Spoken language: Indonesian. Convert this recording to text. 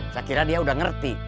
saya kira dia udah ngerti